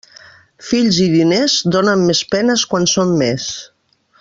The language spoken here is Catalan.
Fills i diners, donen més penes quan són més.